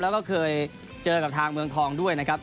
แล้วก็เคยเจอกับทางเมืองทองด้วยนะครับ